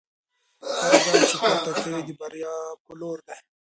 هر ګام چې پورته کوئ د بریا په لور دی.